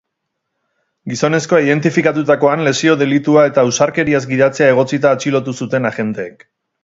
Gizonezkoa identifikatutakoan, lesio delitua eta ausarkeriaz gidatzea egotzita atxilotu zuten agenteek.